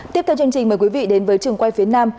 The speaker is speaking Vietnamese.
tiếp theo chương trình mời quý vị đến với trường quay phía nam